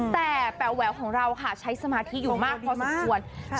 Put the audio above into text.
แต่แป๋วแหววของเราค่ะใช้สมาธิอยู่มากพอสุดท้วนคุณพ่อดีมาก